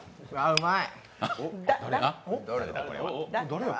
うまい！